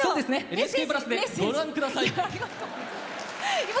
「ＮＨＫプラス」でご覧ください！